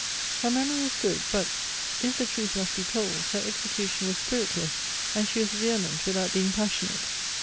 Her memory was good, but, if the truth must be told, her execution was spiritless, and she was vehement without being passionate.